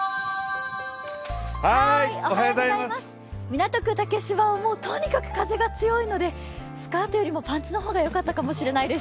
港区竹芝はとにかく風が強いのでスカートよりもパンツの方がよかったかもしれないです。